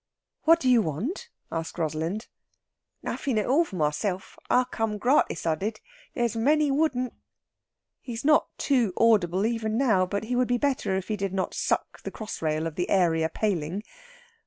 "What do you want?" asks Rosalind. "Nothin' at all for myself. I come gratis, I did. There's a many wouldn't." He is not too audible, even now; but he would be better if he did not suck the cross rail of the area paling.